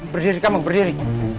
berdiri kamu berdiri